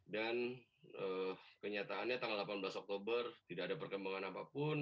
dan kenyataannya tanggal delapan belas oktober tidak ada perkembangan apapun